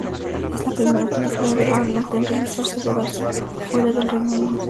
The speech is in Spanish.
Es la primera película de Arnold en realizarse y rodarse fuera del Reino Unido.